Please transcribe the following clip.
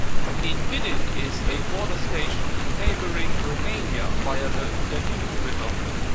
In Vidin is a border-station to neighbouring Romania via the Danube river.